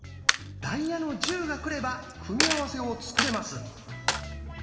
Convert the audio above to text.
「ダイヤの１０」が来れば組み合わせを作れます。